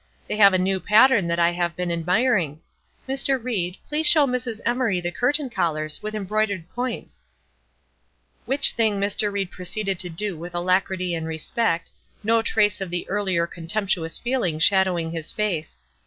They have a new pattern that I have been admiring. Mr. Ried, please show Mrs. Emory the curtain collars, with embroidered points." Which thing Mr. Ried proceeded to do with alacrity and respect, no trace of the earlier contemptuous feeling shadowing his face.